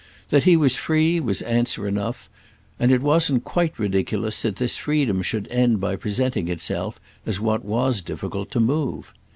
That he was free was answer enough, and it wasn't quite ridiculous that this freedom should end by presenting itself as what was difficult to move.